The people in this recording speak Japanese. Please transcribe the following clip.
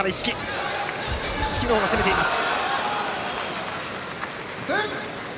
一色の方が攻めています。